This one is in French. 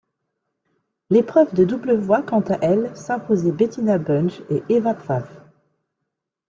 L'épreuve de double voit quant à elle s'imposer Bettina Bunge et Eva Pfaff.